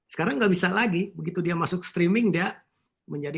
sekarang nggak bisa lagi begitu dia masuk streaming dia menjadi